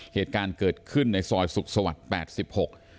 เหตุการณ์เกิดขึ้นในซอยสุขสวรรค์แปดสิบหก